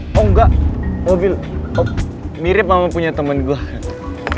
oh enggak mobil mirip sama punya temen gue